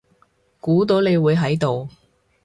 估到你會喺度